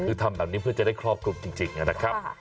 คือทำแบบนี้เพื่อจะได้ครอบคลุมจริงนะครับ